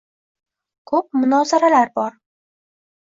Ko'p munozaralar bor